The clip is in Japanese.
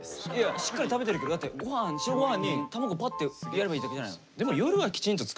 しっかり食べてるけどだって白ごはんに卵パッてやればいいだけじゃないの？